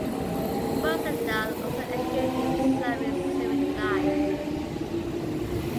Rosendahl also engaged himself in civic life.